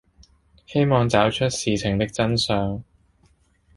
希望找出事情的真相